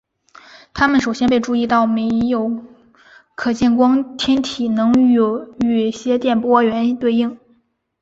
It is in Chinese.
它们首先被注意到没有可见光天体能与些电波源对应。